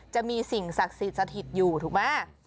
จะมีสิ่งศักดิ์สถิตย์อยู่ถูกไหม